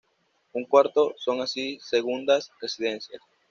Un cuarto son así segundas residencias.